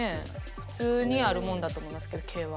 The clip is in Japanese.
普通にあるものだと思いますけど毛は。